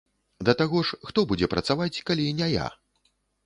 Да таго ж, хто будзе працаваць, калі не я?